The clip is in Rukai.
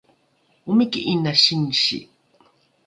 omiki ’ina singsi